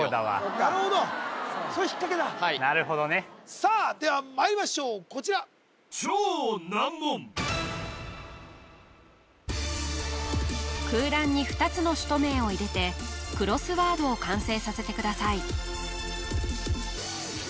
なるほどそれひっかけだはいさあではまいりましょうこちら空欄に２つの首都名を入れてクロスワードを完成させてください